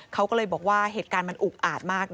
เขาก็เลยบอกว่าเหตุการณ์มันอุกอาดมาก